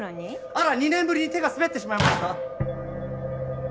あら２年ぶりに手が滑ってしまいました。